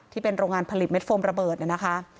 ที่เป็นโรงงานผลิตเม็ดโฟมระเบิดเนี่ยนะคะ